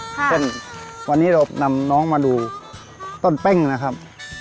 เช่นวันนี้เรานำน้องมาดูต้นเป้งนะครับ